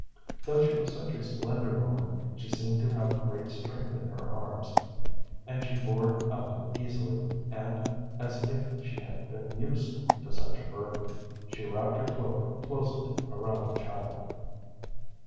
Though she was such a slender woman, she seemed to have great strength in her arms, and she bore Ellen easily and as if she had been used to such a burden. She wrapped her cloak closely around the child.